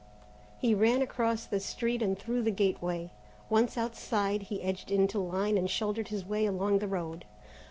He ran across the street and through the gateway. Once outside, he edged into line and shouldered his way along the road.